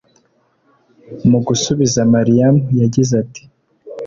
Mu gusubiza Mariam yagize ati